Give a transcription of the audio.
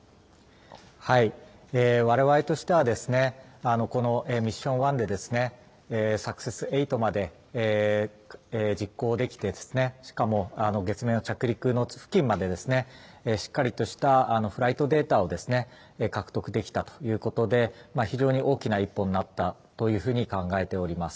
われわれとしては、このミッション１で、サクセス８まで実行できて、しかも月面の着陸の付近まで、しっかりとしたフライトデータを獲得できたということで、非常に大きな一歩になったと考えております。